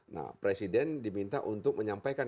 nah presiden diminta untuk menyampaikan